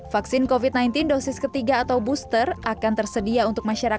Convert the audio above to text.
vaksin covid sembilan belas dosis ketiga atau booster akan tersedia untuk masyarakat